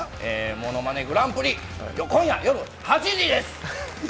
『ものまねグランプリ』今夜夜８時です。